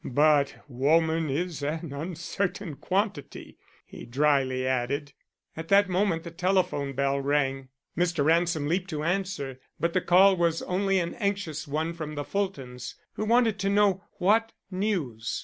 But woman is an uncertain quantity," he dryly added. At that moment the telephone bell rang. Mr. Ransom leaped to answer; but the call was only an anxious one from the Fultons, who wanted to know what news.